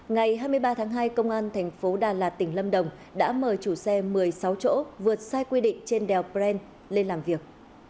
ngày hai mươi ba tháng hai công an thành phố đà lạt tỉnh lâm đồng đã mời chủ xe một mươi sáu chỗ vượt sai quy định trên đèo brent lên làm việc